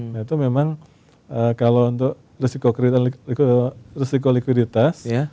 nah itu memang kalau untuk resiko kredit dan resiko likuiditas